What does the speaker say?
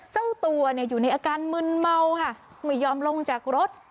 เจ้าตัวอยู่ในอาการมึนเมาค่ะไม่ยอมลงจากรถ